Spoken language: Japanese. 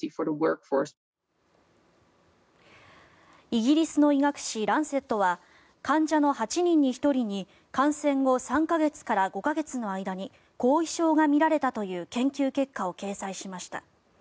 イギリスの医学誌「ランセット」は患者の８人に１人に感染後３か月から５か月の間に後遺症が見られたという研究結果を掲載しました。